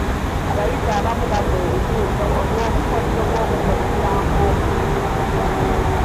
Abayizi abamu bagwa ebigezo olw'obukodyo by'okusomesamu obubi.